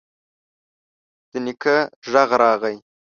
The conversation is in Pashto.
د نيکه غږ راغی: